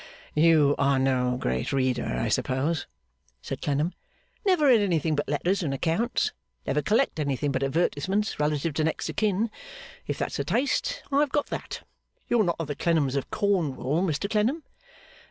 'You are no great reader, I suppose?' said Clennam. 'Never read anything but letters and accounts. Never collect anything but advertisements relative to next of kin. If that's a taste, I have got that. You're not of the Clennams of Cornwall, Mr Clennam?